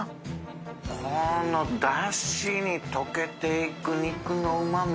このダシに溶けていく肉のうま味。